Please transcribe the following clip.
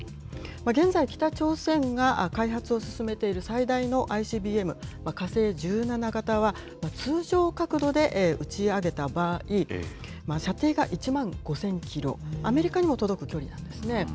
現在、北朝鮮が開発を進めている最大のＩＣＢＭ火星１７型は、通常角度で打ち上げた場合、射程が１万５０００キロ、アメリカにも届く距離なんですね。